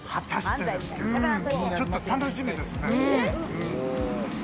ちょっと楽しみですね。